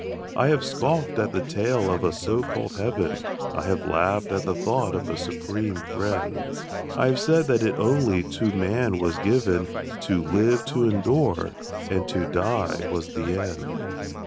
I have scoffed at the tale of a so called heaven; I have laughed at the thought of a Supreme Friend; I have said that it only to man was given To live, to endure; and to die was the end.